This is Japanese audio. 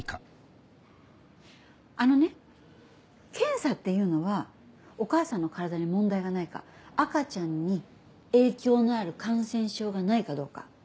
あのね検査っていうのはお母さんの体に問題がないか赤ちゃんに影響のある感染症がないかどうか。